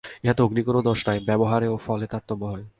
ইহাতে অগ্নির কিছু দোষ নাই, ব্যবহারে ও ফলে তারতম্য হয়।